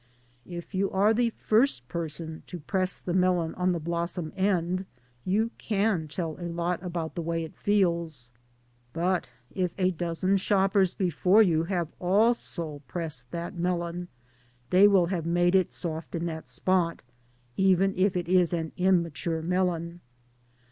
If you are the first person to press the melon on the blossom end, you can tell a lot about the way it feels. But if a dozen shoppers before you have also pressed that melon they will have made it soft in that spot, even if it is an imm ature melon.